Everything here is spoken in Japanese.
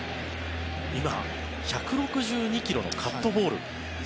今、１６２ｋｍのカットボール。